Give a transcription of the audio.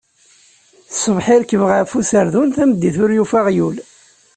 Ṣṣbeḥ irkeb ɣef userdun, tameddit ur yufi aɣyul.